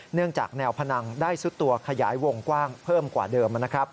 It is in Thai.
เนื่องจากแนวพนังได้ซุดตัวขยายวงกว้างเพิ่มกว่าเดิม